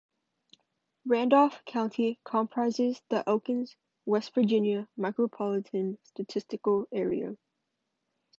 Randolph County comprises the Elkins, West Virginia, Micropolitan Statistical Area.